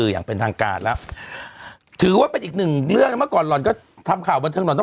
มาก่อนเค้าต้องไปพร้อมเติมกันที่ช่อง๙